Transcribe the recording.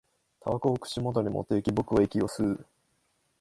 煙草を口元に持っていき、僕は息を吸う